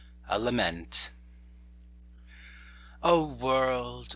A LAMENT. O World!